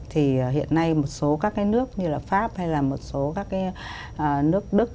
thì hiện nay một số các cái nước như là pháp hay là một số các cái nước đức